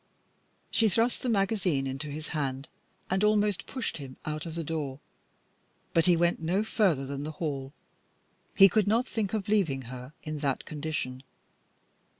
She thrust the magazine into his hand, and almost pushed him out of the door. But he went no further than the hall. He could not think of leaving her in that condition.